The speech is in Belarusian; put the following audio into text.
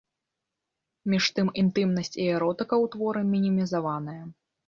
Між тым інтымнасць і эротыка ў творы мінімізаваная.